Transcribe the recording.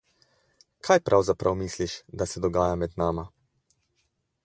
Kaj pravzaprav misliš, da se dogaja med nama?